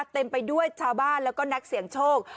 เต็มไปด้วยชาวบ้านแล้วก็นักเสี่ยงโชค